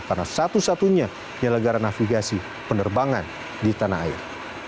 karena satu satunya penyelenggara navigasi penerbangan di tanah air